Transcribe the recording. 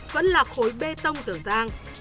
vẫn là khối bê tông dở dang